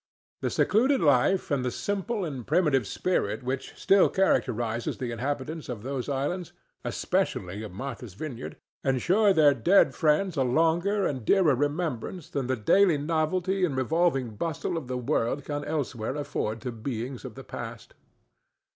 The secluded life and the simple and primitive spirit which still characterizes the inhabitants of those islands, especially of Martha's Vineyard, insure their dead friends a longer and dearer remembrance than the daily novelty and revolving bustle of the world can elsewhere afford to beings of the past.